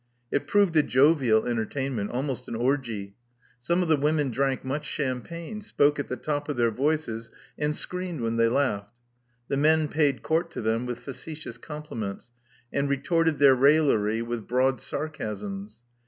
It proved a jovial entertainment — almost an orgie. Some of the women drank much champagne ; spoke at the top of their voices; and screamed when they laughed. The men paid court to them with facetious compliments, and retorted their raillery with broad sarcasms.